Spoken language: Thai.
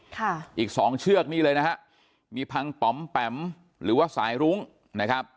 อีกสองเชือกนี่เลยนะฮะมีพังป๋อมแปมหรือว่าสายรุ้งนะครับ